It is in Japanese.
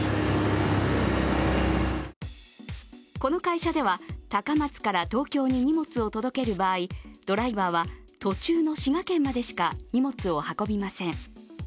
この会社では高松から東京に荷物を届ける場合、ドライバーは途中の滋賀県までしか荷物を運びません。